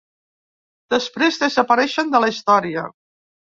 Després desapareixen de la història.